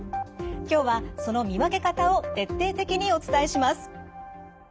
今日はその見分け方を徹底的にお伝えします。